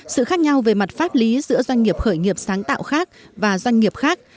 sự khác nhau về mặt pháp lý giữa doanh nghiệp khởi nghiệp sáng tạo khác và doanh nghiệp khác